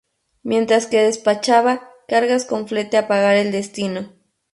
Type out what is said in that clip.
Mientras que despachaba cargas con flete a pagar el destino.